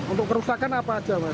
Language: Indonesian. untuk kerusakan apa saja pak